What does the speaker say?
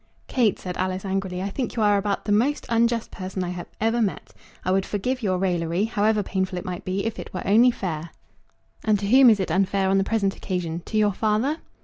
"Kate," said Alice, angrily, "I think you are about the most unjust person I ever met. I would forgive your raillery, however painful it might be, if it were only fair." "And to whom is it unfair on the present occasion; to your father?"